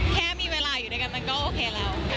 แค่มีเวลาอยู่ด้วยกันมันก็โอเคแล้ว